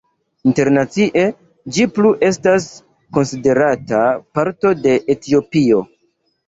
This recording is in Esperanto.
Internacie ĝi plu estas konsiderata parto de Etiopio.